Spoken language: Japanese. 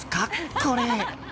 これ。